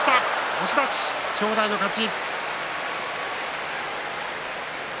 押し出し、正代の勝ち。